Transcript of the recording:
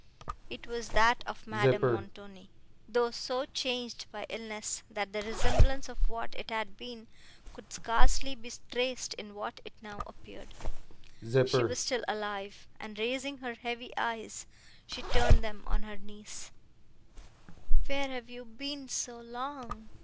It was that of Madame Montoni, though so changed by illness, that the resemblance of what it had been, could scarcely be traced in what it now appeared. She was still alive, and, raising her heavy eyes, she turned them on her niece. "Where have you been so long?"